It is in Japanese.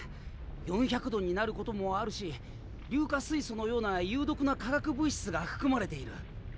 ４００度になることもあるし硫化水素のような有毒な化学物質が含まれている。